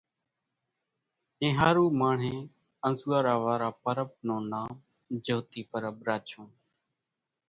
اينۿارُو ماڻۿين انزوئارا وارا پرٻ نون نام جھوتي پرٻ راڇون